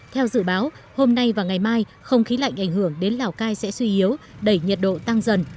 theo dự báo hôm nay và ngày mai không khí lạnh ảnh hưởng đến lào cai sẽ suy yếu đẩy nhiệt độ tăng dần